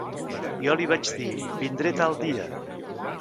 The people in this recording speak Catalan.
Jo li vaig dir: vindré tal dia.